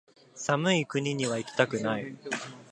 寒い国にはいきたくない